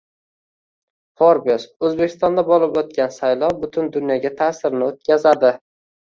Forbes: O‘zbekistonda bo‘lib o‘tgan saylov butun dunyoga ta’sirini o‘tkazading